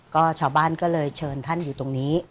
ก็ชาวบ้านก็เลยเชิญท่านอยู่ตรงนี้